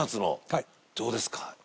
どうですか？